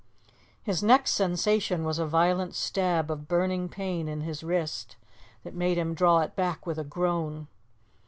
His next sensation was a violent stab of burning pain in his wrist that made him draw it back with a groan.